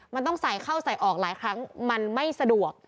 มันต้องใส่เข้าใส่ออกหลายครั้งมันไม่สะดวก